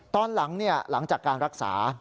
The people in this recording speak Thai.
ตอนหลังหลังจากการรักษา